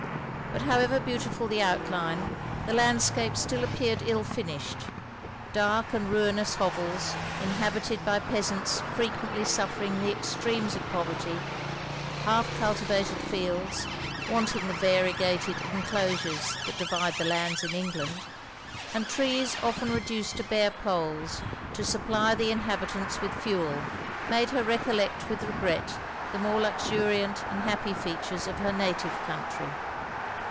But however beautiful the outline, the landscape still appeared ill finished: dark and ruinous hovels, inhabited by peasants frequently suffering the extremes of poverty; half cultivated fields, wanting the variegated enclosures that divide the lands in England; and trees often reduced to bare poles to supply the inhabitants with fewel, made her recollect with regret the more luxuriant and happy features of her native country.